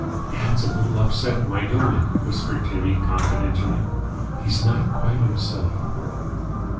"Dad's a little upset at my going," whispered Jimmy confidentially. "He's not quite himself."